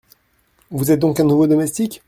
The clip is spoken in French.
Vous êtes donc un nouveau domestique ?